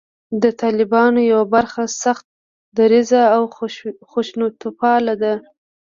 د طالبانو یوه برخه سخت دریځه او خشونتپاله ده